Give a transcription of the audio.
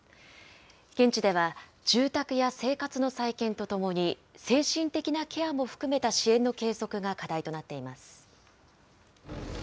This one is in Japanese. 現地では、住宅や生活の再建とともに、精神的なケアも含めた支援の継続が課題となっています。